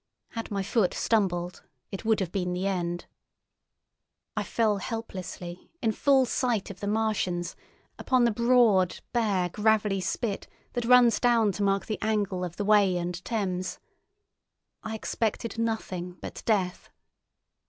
Had my foot stumbled, it would have been the end. I fell helplessly, in full sight of the Martians, upon the broad, bare gravelly spit that runs down to mark the angle of the Wey and Thames. I expected nothing but death.